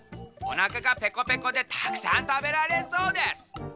おなかがペコペコでたくさんたべられそうです。